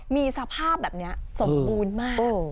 มีสภาพแบบนี้สมบูรณ์มาก